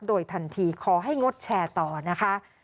โดยทันทีขอให้งดแชร์ต่อนะคะ